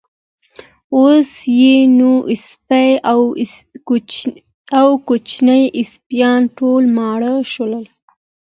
اوس یې نو سپۍ او کوچني سپیان ټول ماړه شول.